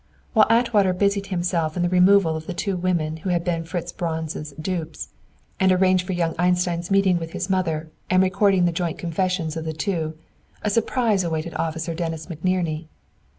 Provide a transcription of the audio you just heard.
While Atwater busied himself in the removal of the two women who had been Fritz Braun's dupes, and arranged for young Einstein's meeting with his mother, and recording the joint confessions of the two, a surprise awaited Officer Dennis McNerney.